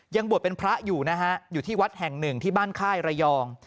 บวชเป็นพระอยู่นะฮะอยู่ที่วัดแห่งหนึ่งที่บ้านค่ายระยอง